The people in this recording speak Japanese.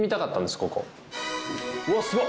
うわすごっ！